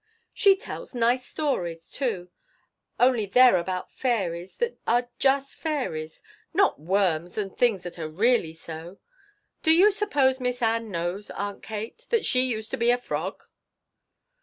"She tells nice stories, too. Only they're about fairies that are just fairies not worms and things that are really so. Do you suppose Miss Ann knows, Aunt Kate, that she used to be a frog?"